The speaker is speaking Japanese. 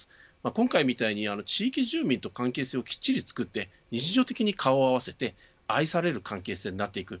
今回みたいに地域住民と関係性をきっちり作って日常的に顔を合わせて愛される関係性になっていく。